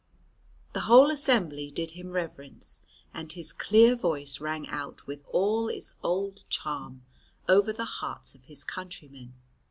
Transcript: The whole assembly did him reverence, and his clear voice rang out with all its old charm over the hearts of his countrymen.